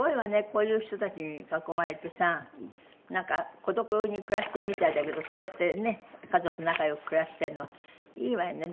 こういう人たちに囲まれてさなんか孤独に暮らしてるみたいだけどそうやってね家族仲良く暮らしてるのはいいわよね。